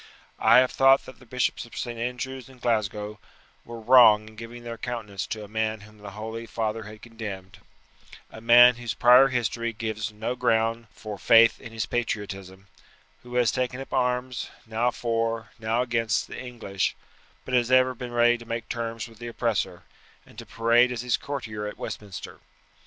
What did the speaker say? I have thought that the Bishops of St. Andrews and Glasgow were wrong in giving their countenance to a man whom the holy father had condemned a man whose prior history gives no ground for faith in his patriotism, who has taken up arms, now for, now against, the English, but has ever been ready to make terms with the oppressor, and to parade as his courtier at Westminster.